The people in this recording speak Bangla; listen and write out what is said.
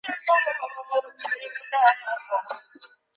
শুধু ফেসবুকের জন্য ইন্টারনেটের জ্ঞানের জগৎ থেকে আমরা ফিরে আসতে পারি না।